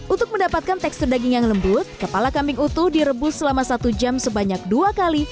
untuk mendapatkan tekstur daging yang lembut kepala kambing utuh direbus selama satu jam sebanyak dua kali